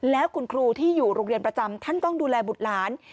แล้วคุณครูที่อยู่โรงเรียนประจำท่านต้องดูแลบุตรหลาน